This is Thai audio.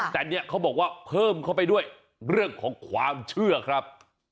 แต่เนี่ยเขาบอกว่าเพิ่มเข้าไปด้วยเรื่องของความเชื่อครับ